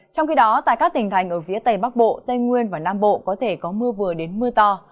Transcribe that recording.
trong khi đó tại các tỉnh thành ở phía tây bắc bộ tây nguyên và nam bộ có thể có mưa vừa đến mưa to